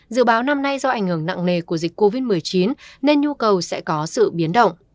dự báo năm nay do ảnh hưởng nặng nề của dịch covid một mươi chín nên nhu cầu sẽ có sự biến động